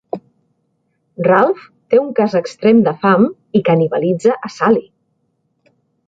Ralph té un cas extrem de fam i canibalitza a Sally.